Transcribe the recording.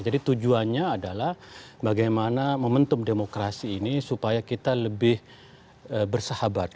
jadi tujuannya adalah bagaimana mementum demokrasi ini supaya kita lebih bersahabat